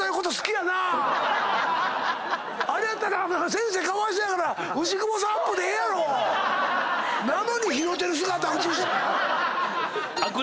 先生かわいそうやから牛窪さんアップでええやろ⁉なのに拾うてる姿映して。